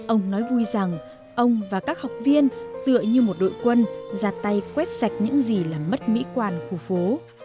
ông nói vui rằng ông và các học viên tựa như một đội quân ra tay quét sạch những gì làm mất mỹ quan khu phố